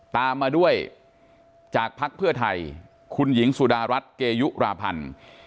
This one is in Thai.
ตามมาด้วยจากภักดิ์เพื่อไทยคุณหญิงสุดารัฐเกยุราพันธ์